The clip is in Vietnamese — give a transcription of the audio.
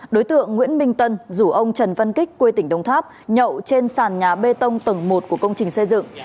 đối tượng nguyễn minh tân rủ ông trần văn kích quê tỉnh đồng tháp nhậu trên sàn nhà bê tông tầng một của công trình xây dựng